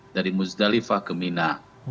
dari muzdalifah ke mina